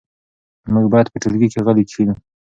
موږ باید په ټولګي کې غلي کښېنو.